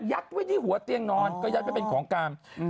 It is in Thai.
ยัดไว้ที่หัวเตียงนอนก็ทำได้เป็นของการ